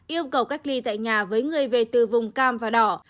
yêu cầu cách ly tại nhà với người về từ vùng cam và đỏ